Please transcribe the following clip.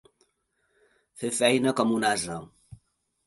Fer feina com un ase.